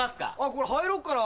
これ入ろっかな。